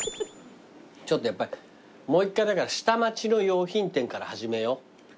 ちょっとやっぱりもう一回だから下町の洋品店から始めよう。